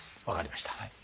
分かりました。